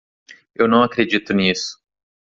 Eu não acredito nisso.